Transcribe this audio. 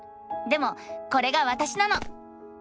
でもこれがわたしなの！